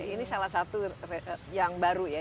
ini salah satu yang baru ya